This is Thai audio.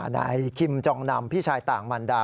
นายคิมจองนำพี่ชายต่างมันดา